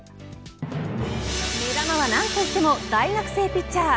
目玉は何といっても大学生ピッチャー。